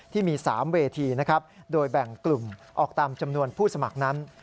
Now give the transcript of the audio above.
ที่มี๓เวทีนะครับโดยแบ่งกลุ่มออกตามจำนวนผู้สมัครนั้น